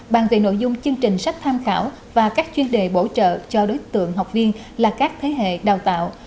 bàn về nội dung chương trình sách tham khảo và các chuyên đề bổ trợ cho đối tượng học viên là các thế hệ đào tạo